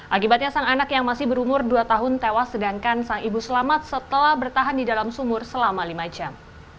akibatnya sang anak yang masih berumur dua tahun tewas sedangkan sang ibu selamat setelah bertahan di dalam sumur selama lima jam